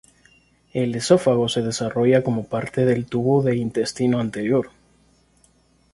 El esófago se desarrolla como parte del tubo de intestino anterior.